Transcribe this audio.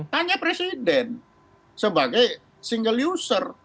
tanya presiden sebagai single user